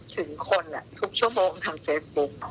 ถึงคนทุกชั่วโมงทางเฟซบุ๊ก